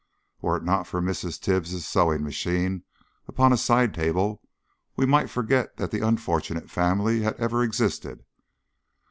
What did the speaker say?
Were it not for Mrs. Tibbs's sewing machine upon a side table we might forget that the unfortunate family had ever existed.